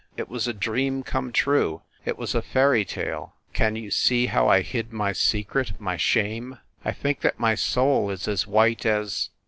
It was a dream come true it was a fairy tale. Can you see how I hid my secret my shame ? I think that my soul is as white as